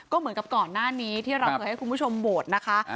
ก็เหมือนกับก่อนหน้านี้ที่เราเคยให้คุณผู้ชมโหวตนะคะ